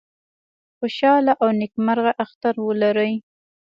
خوشاله او نیکمرغه اختر ولرئ